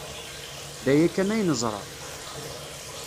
D aya kan ay neẓra.